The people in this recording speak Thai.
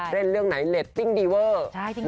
เล่นเรื่องไหนเล็ดติ้งดีเวอร์